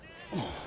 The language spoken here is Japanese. ああ。